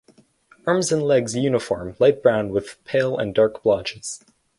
Arms and legs uniform light brown with pale and dark blotches.